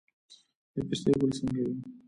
د پستې ګل څنګه وي؟